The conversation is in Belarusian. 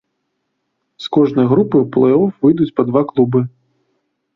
З кожнай групы ў плэй-оф выйдуць па два клубы.